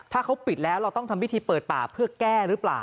ถ้าเขาปิดแล้วเราต้องทำพิธีเปิดป่าเพื่อแก้หรือเปล่า